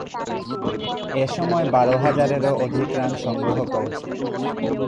এ সময়ে বারো হাজারেরও অধিক রান সংগ্রহ করেছিলেন।